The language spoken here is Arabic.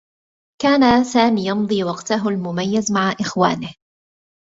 كان سامي يمضي وقته المميّز مع إخوانه.